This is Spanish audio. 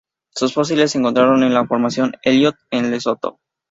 Sus fósiles se encontraron en la Formación Elliot, en Lesoto.